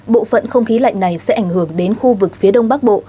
bộ phận không khí lạnh này sẽ ảnh hưởng đến khu vực phía đông bắc bộ